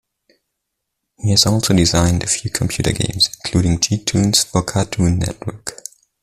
He has also designed a few computer games, including gToons for Cartoon Network.